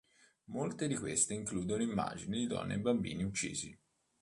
Molte di queste includono immagini di donne e bambini uccisi.